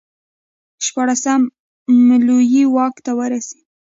شپاړسم لویي واک ته ورسېد.